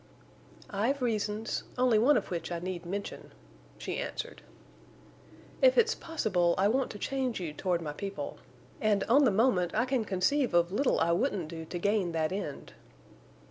"I've reasons—only one of which I need mention," she answered. "If it's possible I want to change you toward my people. And on the moment I can conceive of little I wouldn't do to gain that end."